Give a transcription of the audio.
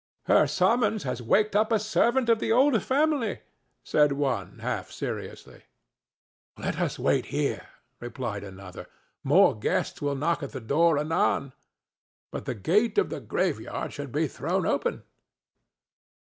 "Her summons has waked up a servant of the old family," said one, half seriously. "Let us wait here," replied another; "more guests will knock at the door anon. But the gate of the graveyard should be thrown open."